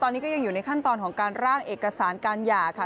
ตอนนี้ก็ยังอยู่ในขั้นตอนของการร่างเอกสารการหย่าค่ะ